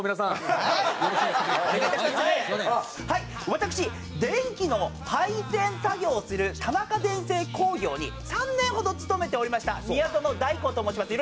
私電気の配線作業をする田中電制工業に３年ほど勤めておりました宮園大耕と申します。